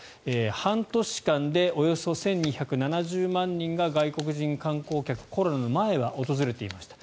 半年間でおよそ１２７０万人が外国人観光客コロナの前は訪れていました。